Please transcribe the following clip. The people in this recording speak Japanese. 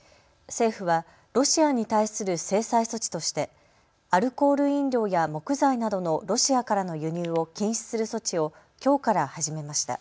政府はロシアに対する制裁措置としてアルコール飲料や木材などのロシアからの輸入を禁止する措置をきょうから始めました。